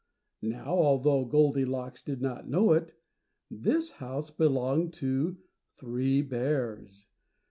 Now, though Goldilocks did not know it, this house belonged to three bears.